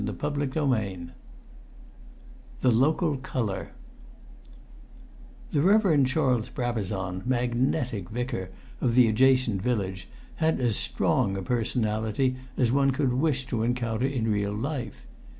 CHAPTER IV The Local Colour The Reverend Charles Brabazon, magnetic Vicar of the adjacent Village, had as strong a personality as one could wish to encounter in real life.